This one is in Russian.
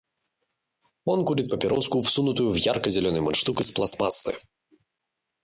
Он курит папироску, всунутую в ярко-зеленый мундштук из пластмассы.